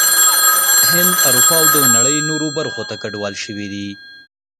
هند، اروپا او د نړۍ نورو برخو ته کډوال شوي دي